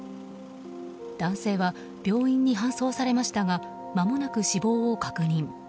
男性は病院に搬送されましたがまもなく死亡を確認。